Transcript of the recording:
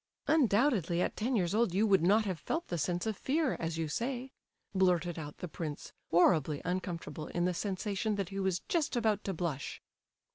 "Undoubtedly, at ten years old you would not have felt the sense of fear, as you say," blurted out the prince, horribly uncomfortable in the sensation that he was just about to blush.